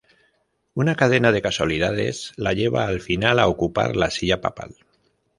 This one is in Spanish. Una cadena de casualidades la lleva al final a ocupar la silla papal.